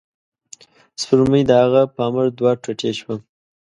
سپوږمۍ د هغه په امر دوه ټوټې شوه.